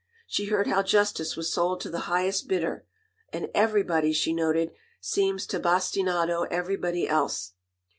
She heard how justice was sold to the highest bidder; and "everybody," she noted, "seems to bastinado everybody else."